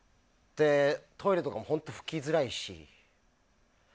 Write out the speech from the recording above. トイレとかも本当に拭きづらいし。